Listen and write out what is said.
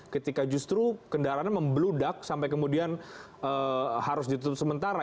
ketika justru kendaraan membludak sampai kemudian harus ditutup sementara